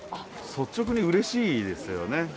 率直にうれしいですよね。